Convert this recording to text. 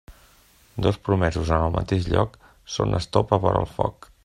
Dos promesos en el mateix lloc són estopa vora el foc.